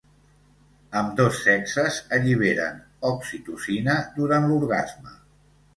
Ambdós sexes alliberen oxitocina durant l'orgasme.